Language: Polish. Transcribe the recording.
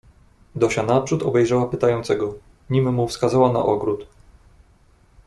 "Dosia naprzód obejrzała pytającego, nim mu wskazała na ogród..."